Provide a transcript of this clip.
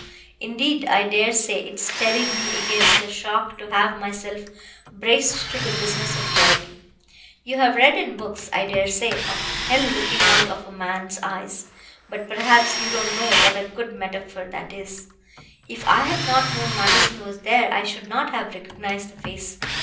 Indeed, I dare say it steadied me against the shock to have myself braced to the business of driving. You have read in books, I dare say, of hell looking out of a man's eyes, but perhaps you don't know what a good metaphor that is. If I had not known Manderson was there, I should not have recognized the face.